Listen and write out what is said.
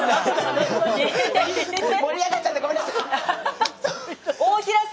盛り上がっちゃってごめんなさい。